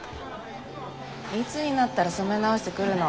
いつになったら染め直してくるの。